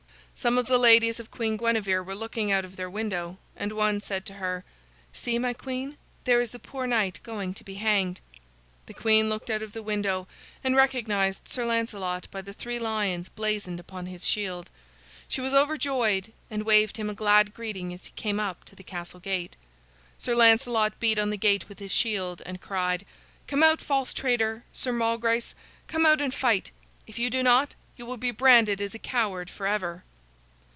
Some of the ladies of Queen Guinevere were looking out of their window, and one said to her: "See, my queen, there is a poor knight going to be hanged." The queen looked out of the window and recognized Sir Lancelot by the three lions blazoned upon his shield. She was overjoyed, and waved him a glad greeting as he came up to the castle gate. Sir Lancelot beat on the gate with his shield, and cried: "Come out, false traitor, Sir Malgrace; come out and fight. If you do not, you will be branded as a coward forever."